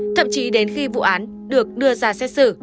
thậm chí đến khi vụ án được đưa ra xét xử